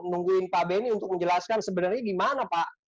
nungguin pak benny untuk menjelaskan sebenarnya di mana pak